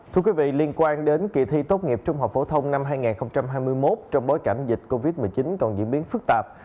thưa quý vị liên quan đến kỳ thi tốt nghiệp trung học phổ thông năm hai nghìn hai mươi một trong bối cảnh dịch covid một mươi chín còn diễn biến phức tạp